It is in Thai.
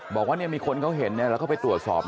บอกว่ามีคนเขาเห็นแล้วเขาไปตรวจสอบ